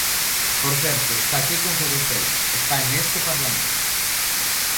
Por certo, está aquí Confedetel, está neste Parlamento.